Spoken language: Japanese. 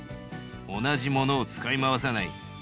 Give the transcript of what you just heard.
同じものを使い回さない。